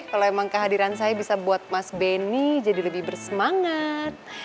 kalau emang kehadiran saya bisa buat mas benny jadi lebih bersemangat